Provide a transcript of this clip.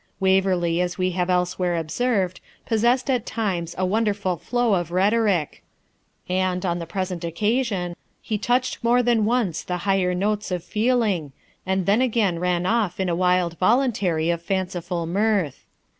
Waverley, as we have elsewhere observed, possessed at times a wonderful flow of rhetoric; and on the present occasion, he touched more than once the higher notes of feeling, and then again ran off in a wild voluntary of fanciful mirth.